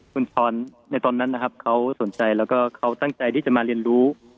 คุณพรในตอนนั้นนะครับเขาสนใจแล้วก็เขาตั้งใจที่จะมาเรียนรู้